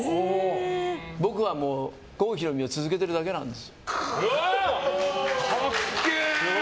僕はもう、郷ひろみを続けてるだけなんですよ。かっけえ！